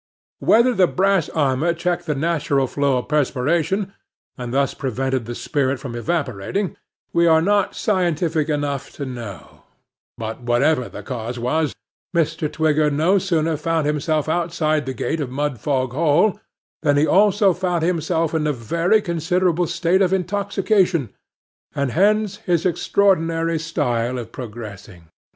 Whether the brass armour checked the natural flow of perspiration, and thus prevented the spirit from evaporating, we are not scientific enough to know; but, whatever the cause was, Mr. Twigger no sooner found himself outside the gate of Mudfog Hall, than he also found himself in a very considerable state of intoxication; and hence his extraordinary style of progressing.